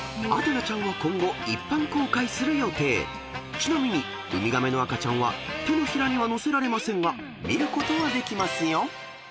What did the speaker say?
［ちなみにウミガメの赤ちゃんは手のひらには乗せられませんが見ることはできますよ］